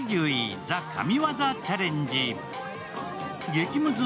激ムズ